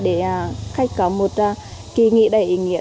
để khách có một kỳ nghĩa đầy ý nghĩa